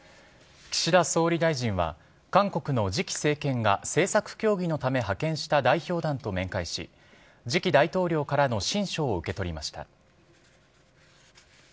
岸田総理大臣は、韓国の次期政権が政策協議のため派遣した代表団と面会し、次期大統領からの親書を受け取りました。